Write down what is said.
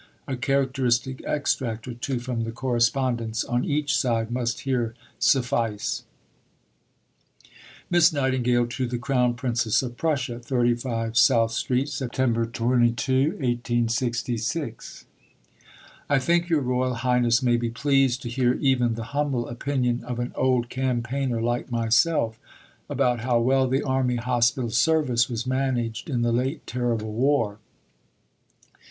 A characteristic extract or two from the correspondence on each side must here suffice: (Miss Nightingale to the Crown Princess of Prussia.) 35 SOUTH STREET, Sept. 22 .... I think your Royal Highness may be pleased to hear even the humble opinion of an old campaigner like myself about how well the Army Hospital Service was managed in the late terrible war.